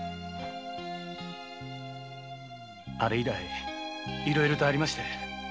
あれ以来いろいろありまして。